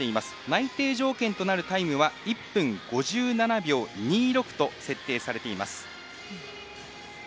内定条件となるタイムは１分５７秒２６と設定されています。